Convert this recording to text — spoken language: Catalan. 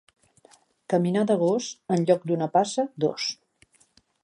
Caminar de gos, en lloc d'una passa, dos.